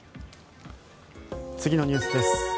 次のニュースです。